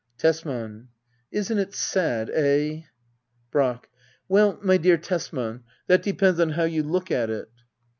Tesman. Isn't it sad — eh ? Brack. Well, my dear Tesman^ that depends on how you look at it.